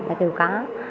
nó kêu có